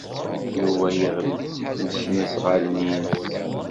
Yuba yeɣli-d seg wesnasɣal-nnes.